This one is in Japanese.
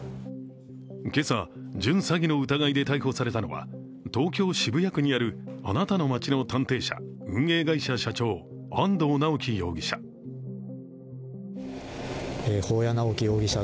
今朝、準詐欺の疑いで逮捕されたのは東京・渋谷区にあるあなたの街の探偵社運営会社社長安藤巨樹容疑者。